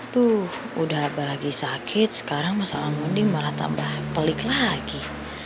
tuh udah lagi sakit sekarang masalah munding malah tambah pelik lagi